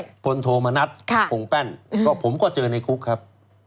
พลโทมณัฐคงแป้นก็ผมก็เจอในคุกครับ